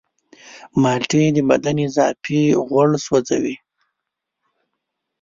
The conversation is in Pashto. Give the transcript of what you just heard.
مالټې د بدن اضافي غوړ سوځوي.